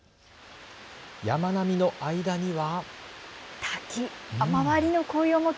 山並みの間には。